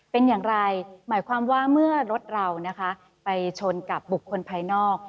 เป็นอย่างไรหมายความว่าเมื่อรถเรานะคะไปชนกับบุคคลภายนอก